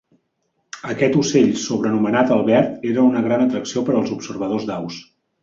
Aquest ocell, sobrenomenat "Albert", era una gran atracció per als observadors d'aus.